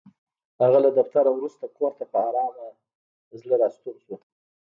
هغه له دفتره وروسته کور ته په ارامه زړه راستون شو.